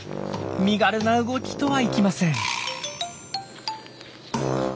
身軽な動きとはいきません。